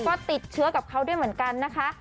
ก็ติดเชื้อกับเขาด้วยเหมือนกันนะคะ